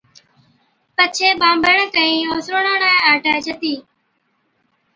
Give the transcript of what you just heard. پڇي ٻانڀڻ ڪھين اوسڻوڙي آٽي چتِي